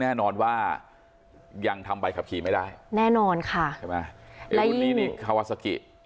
ส่วนสองตายายขี่จักรยานยนต์อีกคันหนึ่งก็เจ็บถูกนำตัวส่งโรงพยาบาลสรรค์กำแพง